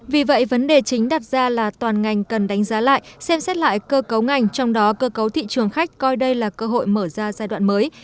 vì vậy vấn đề chính đặt ra là toàn ngành cần đánh giá lại xem xét lại cơ cấu ngành trong đó cơ cấu thị trường khách coi đây là cơ hội mở ra giai đoạn mới